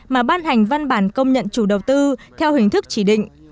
mà ban hành văn bản công nhận chủ đầu tư theo hình thức chỉ định